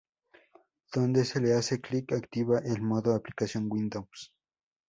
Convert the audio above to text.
Cuando se le hace clic, activa el modo ""Aplicación Windows"".